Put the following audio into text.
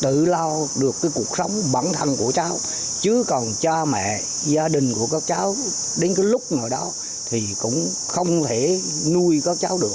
tự lo được cái cuộc sống bản thân của cháu chứ còn cha mẹ gia đình của các cháu đến cái lúc nào đó thì cũng không thể nuôi các cháu được